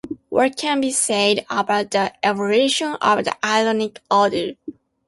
What can be said about the evolution of the Ionic order?